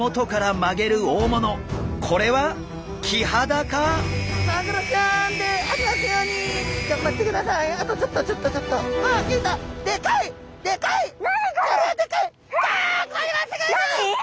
あこれはすごいぞ！